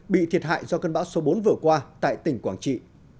bị thiệt hại do cơn bão số bốn vừa qua tại tỉnh quảng trị